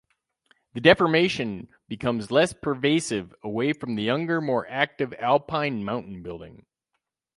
The deformation becomes less pervasive away from the younger, more active Alpine mountain building.